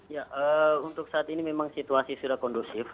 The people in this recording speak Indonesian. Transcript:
ya untuk saat ini memang situasi sudah kondusif